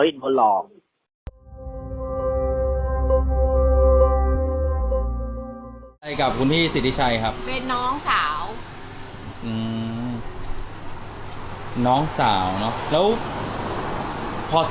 มีเรื่องอย่างนี้เกิดขึ้นได้ยังไง